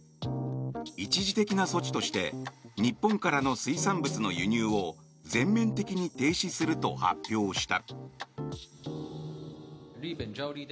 一時的な措置として日本からの水産物の輸入を全面的に停止すると発表した。